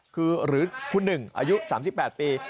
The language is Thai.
คือหรือคุณหนึ่งอายุ๓๘ปี